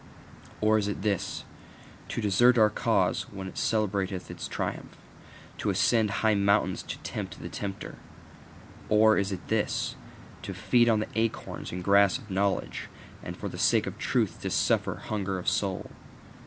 Or is it this: To desert our cause when it celebrateth its triumph? To ascend high mountains to tempt the tempter? Or is it this: To feed on the acorns and grass of knowledge, and for the sake of truth to suffer hunger of soul?